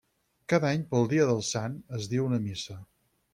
Cada any pel dia del Sant es diu una missa.